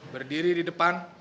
berdiri di depan